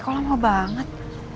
kok lah mau banget